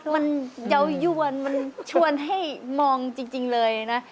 มันเยาวยวนมันชวนให้มองจริงเลยนะ